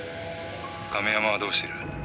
亀山はどうしてる？」